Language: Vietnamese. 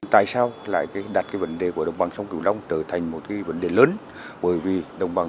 tại sao lại đặt cái vấn đề của đồng bằng sông cửu long trở thành một cái vấn đề lớn bởi vì đồng bằng